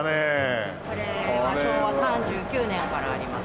これは昭和３９年からあります。